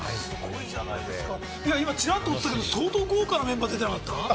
今ちらっと映ったけれども、相当豪華なメンバーじゃなかった？